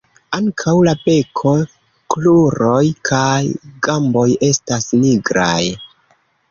Ankaŭ la beko, kruroj kaj gamboj estas nigraj.